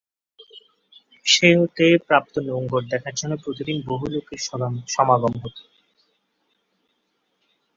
সে হতে প্রাপ্ত নোঙ্গর দেখার জন্য প্রতিদিন বহু লোকের সমাগম হত।